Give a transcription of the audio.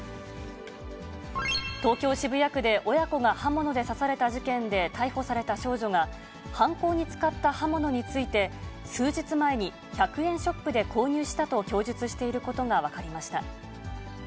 東京・渋谷区で、親子が刃物で刺された事件で逮捕された少女が、犯行に使った刃物について、数日前に１００円ショップで購入したと供述していることが分かりました。